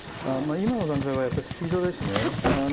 今の段階はやっぱスピードですね。